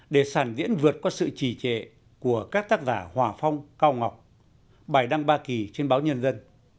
để sản diễn vượt qua sự trì trệ của các tác giả hòa phong cao ngọc bài đăng ba kỳ trên báo nhân dân